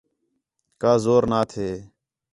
کا زور نہ تھے